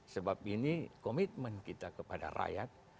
sebab ini komitmen kita kepada rakyat